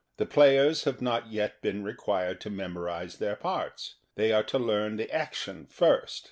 The players have not yet been required to memorize their parts. They are to learn the action first.